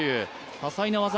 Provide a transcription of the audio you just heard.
多彩な技。